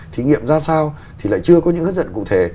thí nghiệm ra sao thì lại chưa có những hướng dẫn cụ thể